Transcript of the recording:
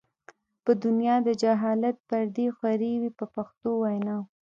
په دنیا د جهالت پردې خورې وې په پښتو وینا.